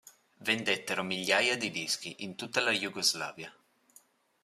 Vendettero migliaia di dischi in tutta la Jugoslavia.